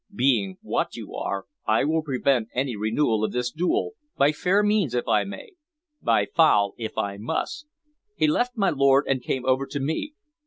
Being what you are, I will prevent any renewal of this duel, by fair means if I may, by foul if I must." He left my lord, and came over to me.